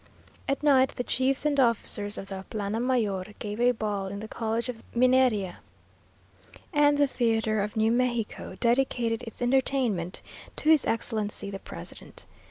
"At night the chiefs and officers of the plana mayor gave a ball in the college of the Mineria; and the theatre of New Mexico dedicated its entertainment to his Excellency the President.